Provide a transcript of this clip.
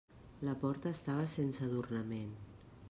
La porta estava sense adornament.